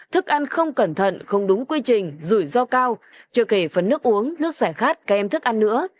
thức ăn không cẩn thận không đúng quy trình rủi ro cao chưa kể phần nước uống nước sẻ khát các em thức ăn nữa